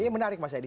ini menarik mas eddy